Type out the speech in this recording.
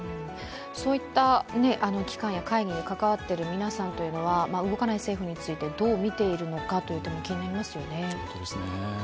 そういった機関や会議に関わっている皆さんは動かない政府についてどう見ているのか気になりますよね。